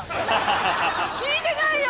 聞いてないよ。